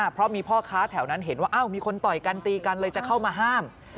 เพราะมีพ่อค้าแถวนั้นเห็นว่ามีคนต่อยกันตีกันเลยจะเข้ามาห้าม